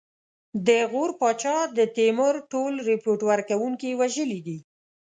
د غور پاچا د تیمور ټول رپوټ ورکوونکي وژلي دي.